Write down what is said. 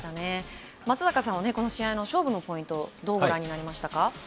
松坂さんはこの試合の勝負のポイントどうご覧になりましたか。